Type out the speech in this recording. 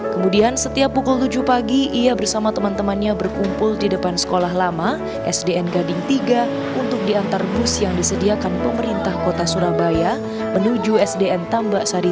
kemudian setiap pukul tujuh pagi ia bersama teman temannya berkumpul di depan sekolah lama sdn gading tiga untuk diantar bus yang disediakan pemerintah kota surabaya menuju sdn tambak sari